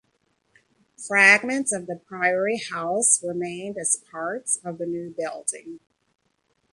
Fragments of the priory house remained as parts of the new building.